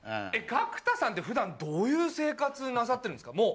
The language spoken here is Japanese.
えっ角田さんって普段どういう生活なさってるんですか？